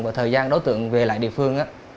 và thời gian đối tượng về lại địa phương